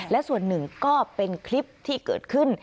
และส่วนหนึ่งก็เป็นคลิปที่เกิดขึ้น